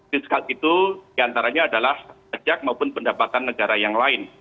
fiskal itu diantaranya adalah pajak maupun pendapatan negara yang lain